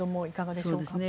いかがでしょうか。